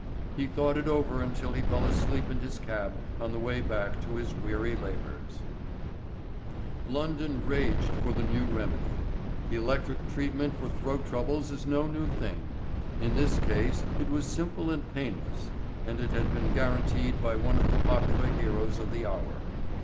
He thought it over until he fell asleep in his cab on the way back to his weary labours. London raged for the new remedy. The electric treatment for throat troubles is no new thing. In this case it was simple and painless, and it had been guaranteed by one of the popular heroes of the hour.